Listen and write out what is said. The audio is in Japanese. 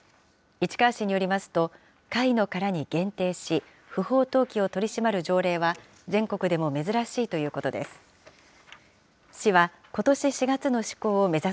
市川市によりますと、貝の殻に限定し、不法投棄を取り締まる条例は、全国でも珍しいということです。